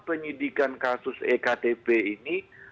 penyidikan kasus ektp ini